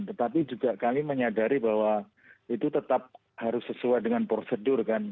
tetapi juga kami menyadari bahwa itu tetap harus sesuai dengan prosedur kan